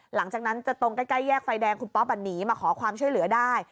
หลังจากนั้นจะตรงใกล้แยกไฟแดงคุณป๊อปหนีมาขอความช่วยเหลือได้